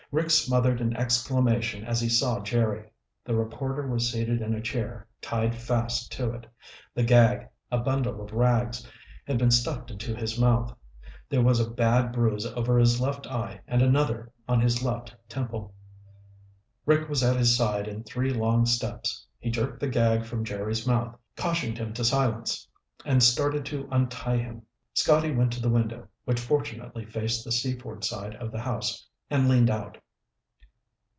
Rick smothered an exclamation as he saw Jerry. The reporter was seated in a chair, tied fast to it. The gag, a bundle of rags, had been stuffed into his mouth. There was a bad bruise over his left eye and another on his left temple. Rick was at his side in three long steps. He jerked the gag from Jerry's mouth, cautioned him to silence, and started to untie him. Scotty went to the window, which fortunately faced the Seaford side of the house, and leaned out.